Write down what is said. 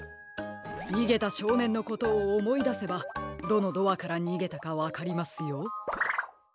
にげたしょうねんのことをおもいだせばどのドアからにげたかわかりますよ。